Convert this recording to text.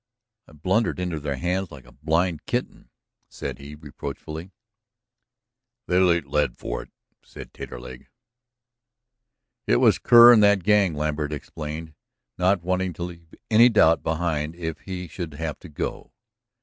"I blundered into their hands like a blind kitten," said he, reproachfully. "They'll eat lead for it!" said Taterleg. "It was Kerr and that gang," Lambert explained, not wanting to leave any doubt behind if he should have to go.